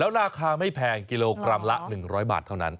ราคาไม่แพงกิโลกรัมละ๑๐๐บาทเท่านั้น